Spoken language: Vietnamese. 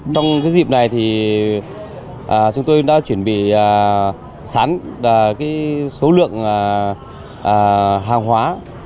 trong dịp này thì chúng tôi đã chuẩn bị sẵn số lượng hàng hóa